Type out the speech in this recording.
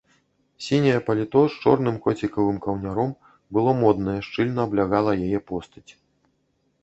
Сіняе паліто з чорным коцікавым каўняром было моднае, шчыльна аблягала яе постаць.